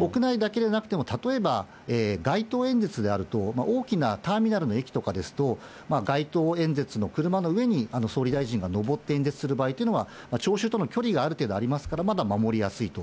屋内だけでなくても、例えば、街頭演説であると、大きなターミナルの駅ですと、街頭演説の車の上に、総理大臣が上って演説する場合というのは聴衆との距離がある程度ありますから、まだ守りやすいと。